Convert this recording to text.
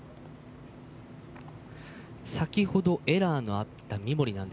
先ほどエラーがあった三森。